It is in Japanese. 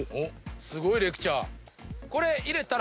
すごいレクチャー。